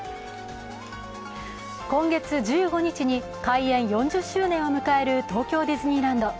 今月１５日に開園４０周年を迎える東京ディズニーランド。